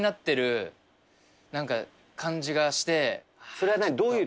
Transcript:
それは何？